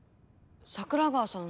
桜川さん